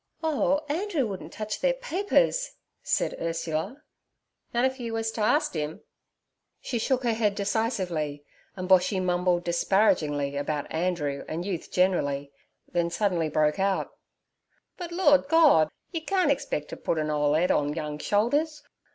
'Oh, Andrew wouldn't touch their papers' said Ursula. 'Nut if you wus t' ast 'im?' She shook her head decisively, and Boshy mumbled disparagingly about Andrew and youth generally, then suddenly broke out: 'But Lord Gord! yer carn't expec' t' put a nole 'ead on young shoulders.